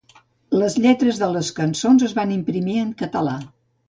Les lletres de les cançons es van imprimir en català.